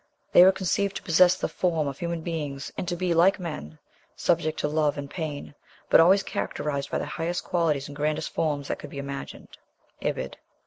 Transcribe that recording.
They were conceived to possess the form of human beings, and to be, like men, subject to love and pain, but always characterized by the highest qualities and grandest forms that could be imagined." (Ibid.)